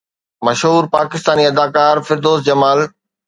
مشهور پاڪستاني اداڪار فردوس جمال